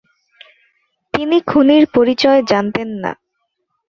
তিনি খুনির পরিচয় জানতেন না।